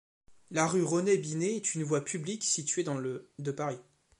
La rue René-Binet est une voie publique située dans le de Paris.